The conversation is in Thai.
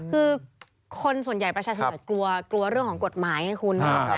คือคนส่วนใหญ่ประชาชนกลัวเรื่องของกฎหมายไงคุณ